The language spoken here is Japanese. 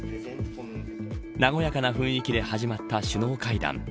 和やかな雰囲気で始まった首脳会談。